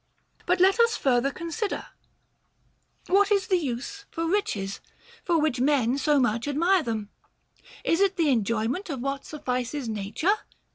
But let us further consider, What is the use of riches, for which men so much admire them 1 Is it the enjoy ment of what suffices nature